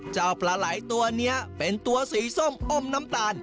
ปลาไหล่ตัวนี้เป็นตัวสีส้มอมน้ำตาล